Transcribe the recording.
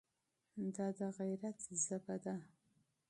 دا د غیرت ژبه ده.